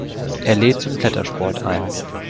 Er lädt zum Klettersport ein.